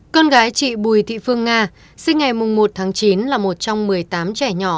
con gái chị bùi thị phương nga sinh ngày một tháng chín là một trong một mươi tám trẻ nhỏ